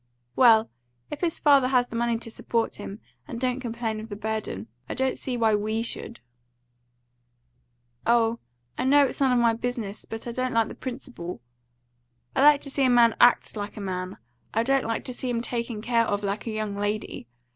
"Well, if his father has the money to support him, and don't complain of the burden, I don't see why WE should." "Oh, I know it's none of my business, but I don't like the principle. I like to see a man ACT like a man. I don't like to see him taken care of like a young lady.